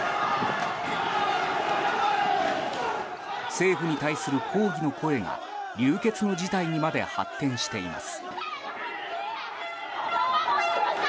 政府に対する抗議の声が流血の事態にまで発展しています。